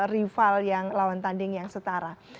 rival yang lawan tanding yang setara